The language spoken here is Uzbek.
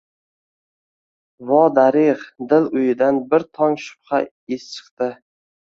Vo darig‘, dil uyidan bir tong shubha — iz chiqdi.